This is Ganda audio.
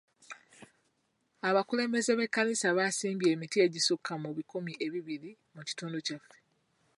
Abakulembeze b'ekkanisa baasimbye emiti egisukka mu bikumi ebibiri mu kitundu kyaffe.